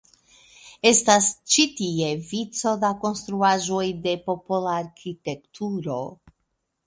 Estas ĉi tie vico da konstruaĵoj de popola arkitekturo.